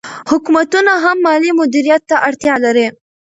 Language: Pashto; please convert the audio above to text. حکومتونه هم مالي مدیریت ته اړتیا لري.